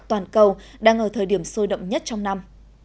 toàn cầu đang ở thời điểm sôi động nhất trong năm